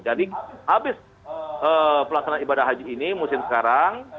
jadi habis pelaksanaan ibadah haji ini musim sekarang